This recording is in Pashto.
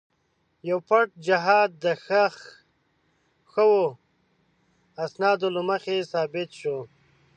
یو پټ جهاد د ښخ شوو اسنادو له مخې ثابت شو.